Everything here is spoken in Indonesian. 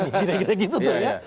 kira kira gitu tuh ya